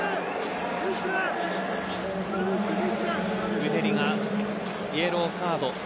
グデリがイエローカード。